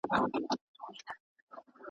د گلونو پر ښاخونو مرغکۍ دی چی زنگېږی .